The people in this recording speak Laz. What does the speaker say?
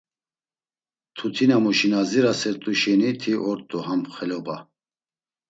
Mtutinamuşi na zirasert̆u şeniti ort̆u ham xeloba.